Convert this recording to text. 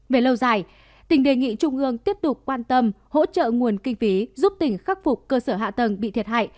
về lâu dài tỉnh đề nghị trung ương tiếp tục quan tâm hỗ trợ nguồn kinh phí giúp tỉnh khắc phục cơ sở hạ tầng bị thiệt hại